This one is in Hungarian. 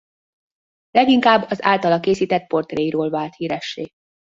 Leginkább az általa készített portréiról vált híressé.